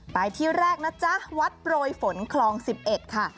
ไปที่แรกนะจ๊ะวัดโปรยฝนคลอง๑๑ค่ะ